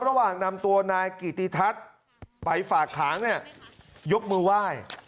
ระหว่างนำตัวนายกิติทัศน์ไปฝากขังเนี่ยยกมือไหว้